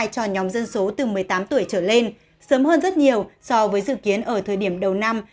cho nhóm dân số từ một mươi tám tuổi trở lên sớm hơn rất nhiều so với dự kiến ở thời điểm đầu năm